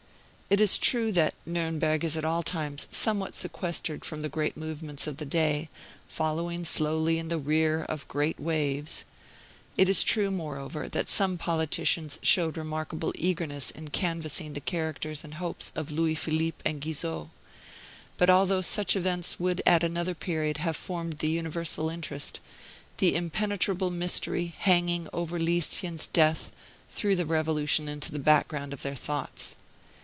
It is true that Nuremberg is at all times somewhat sequestered from the great movements of the day, following slowly in the rear of great waves; it is true, moreover, that some politicians showed remarkable eagerness in canvassing the characters and hopes of Louis Philippe and Guizot; but although such events would at another period have formed the universal interest, the impenetrable mystery hanging over Lieschen's death threw the Revolution into the background of their thoughts.